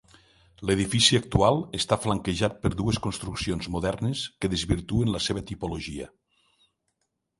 L'edifici actual està flanquejat per dues construccions modernes que desvirtuen la seva tipologia.